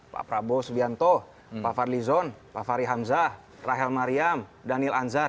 pak prabowo subianto pak fadlizon pak fari hamzah rahel mariam daniel anzar